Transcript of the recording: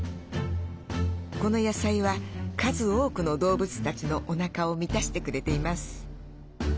この野菜は数多くの動物たちのおなかを満たしてくれています。